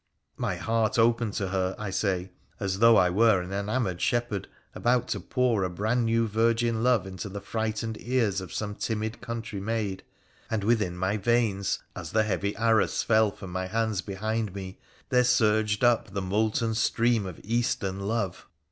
My heart opened to her, I say, as though I were an enamoured shepherd about to pour a brand new virgin love into the frightened ears of some timid country maid, and within my veins, as the heavy arras fell from my hands behind me, there surged up the molten stream of Eastern love